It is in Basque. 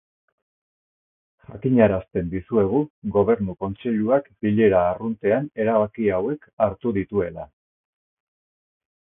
Jakinarazten dizuegu Gobernu Kontseiluak bilera arruntean erabaki hauek hartu dituela.